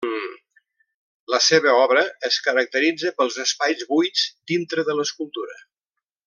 La seva obra es caracteritza pels espais buits dintre de l'escultura.